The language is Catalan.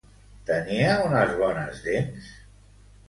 Tenia unes bones dents?